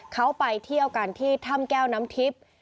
เขาไปเที่ยวกันที่ถ้ำแก้วน้ำทิพย์